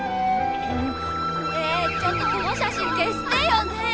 ねえちょっとこの写真消してよねえ！